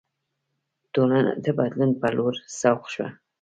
ټولنه د بدلون په لور سوق شوه.